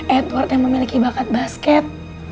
edward yang memiliki bakat basket